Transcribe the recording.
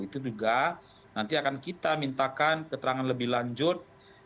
itu juga nanti akan kita mintakan keterangan lebih lanjut